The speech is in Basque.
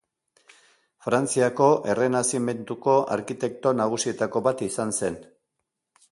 Frantziako Errenazimentuko arkitekto nagusietako bat izan zen.